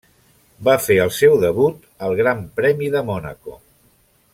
Va fer el seu debut al Gran Premi de Mònaco.